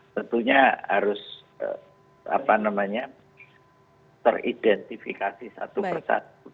tentunya harus teridentifikasi satu persatu